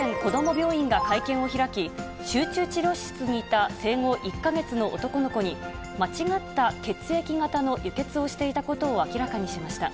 病院が会見を開き、集中治療室にいた生後１か月の男の子に、間違った血液型の輸血をしていたことを明らかにしました。